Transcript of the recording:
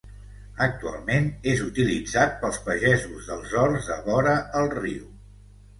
Actualment és utilitzat pels pagesos dels horts de vora el riu.